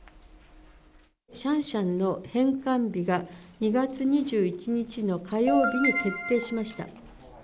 シャンシャンの返還日が、２月２１日の火曜日に決定しました。